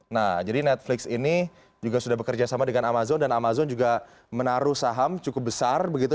nah jadi netflix ini juga sudah bekerja sama dengan amazon dan amazon juga menaruh saham cukup besar begitu